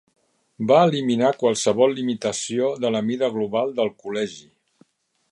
Va eliminar qualsevol limitació de la mida global del Col·legi.